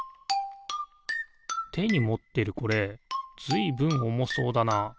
てにもってるこれずいぶんおもそうだな。